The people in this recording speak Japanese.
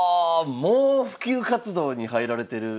もう普及活動に入られてる。